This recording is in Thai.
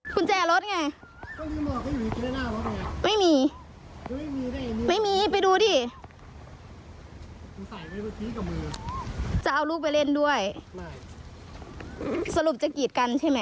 ไปแล้วไปป่าวลูกม้า